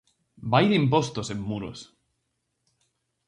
Vai de impostos en Muros.